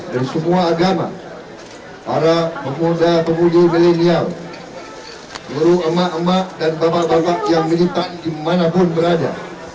dari semua agama para pemuda pemuda milenial seluruh emak emak dan bapak bapak yang militan dimanapun berada